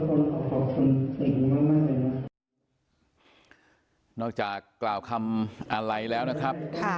คงไม่มีคำอะไรนอกจากกล่าวคำอะไรแล้วนะครับ